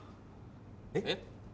えっ？